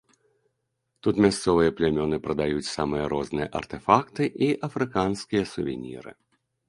Тут мясцовыя плямёны прадаюць самыя розныя артэфакты і афрыканскія сувеніры.